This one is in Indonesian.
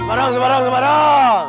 semarang semarang semarang